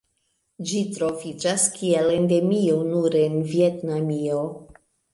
Ĝi troviĝas kiel endemio nur en Vjetnamio.